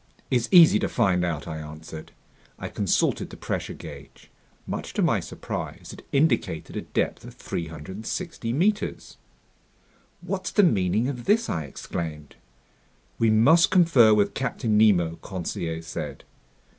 "It's easy to find out," I answered. I consulted the pressure gauge. Much to my surprise, it indicated a depth of 360 meters. "What's the meaning of this?" I exclaimed. "We must confer with Captain Nemo," Conseil said.